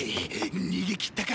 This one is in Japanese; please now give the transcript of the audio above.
逃げ切ったか？